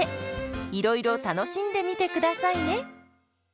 いろいろ楽しんでみてくださいね。